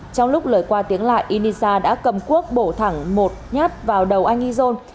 trong lúc lời qua tiếng lại inisa đã cầm quốc bổ thẳng một nhát vào đầu anh izon